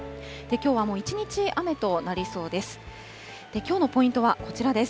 きょうはもう一日雨となりそうです。